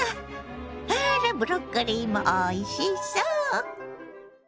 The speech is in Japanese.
あらブロッコリーもおいしそう。